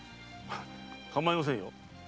かまいませんよ。